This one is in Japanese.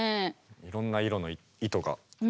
いろんな色の意図が。